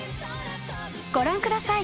ご覧ください！